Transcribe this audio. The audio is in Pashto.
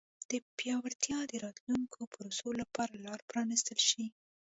د پیاوړتیا د راتلونکو پروسو لپاره لار پرانیستل شي.